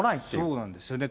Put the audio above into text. そうなんですよね。